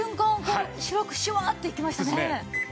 こう白くシュワッていきましたね。